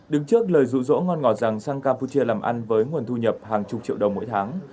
đứng trước lời rụ rỗ ngon ngỏ rằng sang campuchia làm ăn với nguồn thu nhập hàng chục triệu đồng mỗi tháng